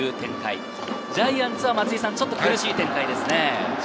ジャイアンツはちょっと苦しい展開ですね。